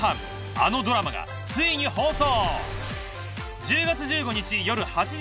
あのドラマがついに放送。